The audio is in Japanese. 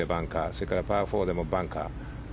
それからパー４でもバンカー。